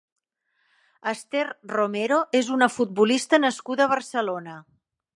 Esther Romero és una futbolista nascuda a Barcelona.